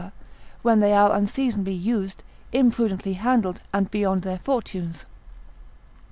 when they are unseasonably used, imprudently handled, and beyond their fortunes.